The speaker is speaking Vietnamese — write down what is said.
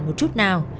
một chút nào